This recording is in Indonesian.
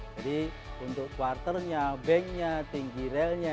jadi untuk quarternya banknya tinggi railnya